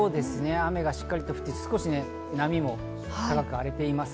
雨がしっかりと降っていて波も高く上がっています。